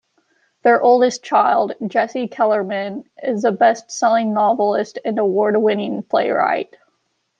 Their oldest child, Jesse Kellerman, is a bestselling novelist and award-winning playwright.